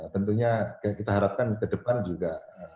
tentunya kita harapkan ke depan juga